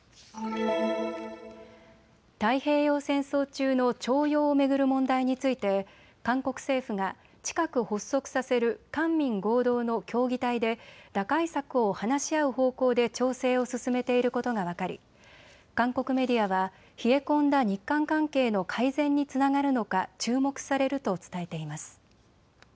太平洋戦争中の徴用を巡る問題について韓国政府が近く発足させる官民合同の協議体で打開策を話し合う方向で調整を進めていることが分かり韓国メディアは冷え込んだ日韓関係の改善につながるのか注目されると伝えています。